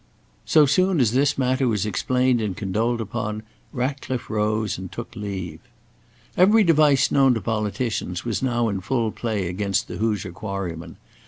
So soon as this matter was explained and condoled upon, Ratcliffe rose and took leave. Every device known to politicians was now in full play against the Hoosier Quarryman.